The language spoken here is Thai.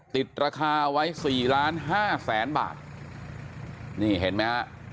ติดราคาไว้สี่ล้านห้าแสนบาทนี่เห็นไหมฮะ